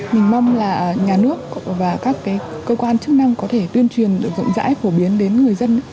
mình mong là nhà nước và các cơ quan chức năng có thể tuyên truyền rộng rãi phổ biến đến người dân